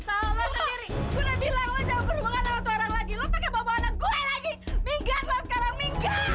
salah sendiri kudah bilang lo jangan berhubungan sama orang lagi lo pake bawa bawaan anak gue lagi minggan lo sekarang minggan